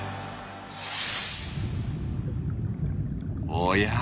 おや？